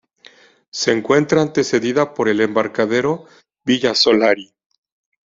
Se encuentra Antecedida por el Embarcadero Villa Solari.